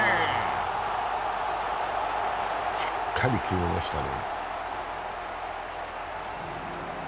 しっかり決めましたね。